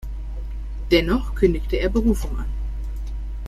Dennoch kündigte er Berufung an.